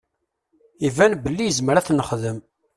Iban belli izmer ad t-nexdem.